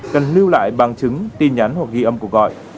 cần lưu lại bằng chứng tin nhắn hoặc ghi âm cuộc gọi